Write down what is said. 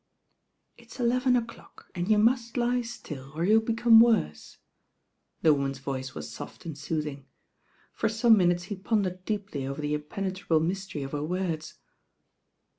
* "It's eleven o'dock» and you must lie still, or you'll become worse." The woman's voice was soft and soothing. For some minutes he pondered deeply over the impen etrable mystery of her words.